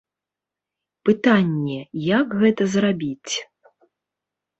Пытанне, як гэта зрабіць.